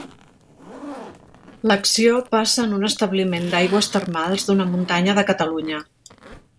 L'acció passa en un establiment d'aigües termals d'una muntanya de Catalunya.